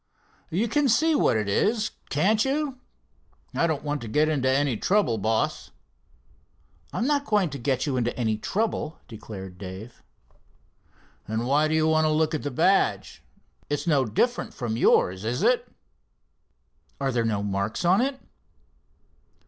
"You can see what it is, can't you? I don't want to get into trouble, boss." "I'm not going to get you into any trouble," declared Dave. "Then why do you want to look at the badge? It's no different from yours, is it?" "Are there no marks on it?"